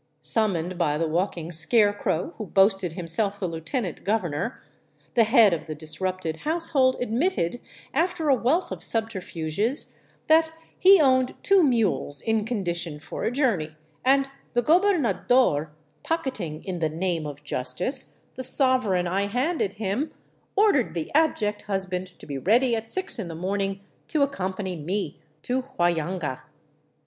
Summoned by the walking scarecrow who boasted himself the lieutenant governor, the head of the disrupted household admitted, after a wealth of subterfuges, that 304 THE ROOF OF PERU he owned two mules in condition for a journey, and the gobernador, pocketing " in the name of justice " the sovereign I handed him, or dered the abject husband to be ready at six in the morning to accom pany me to Huallanga.